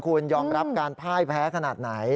คุณยอมรับการพ่ายแพ้ขนาดไหน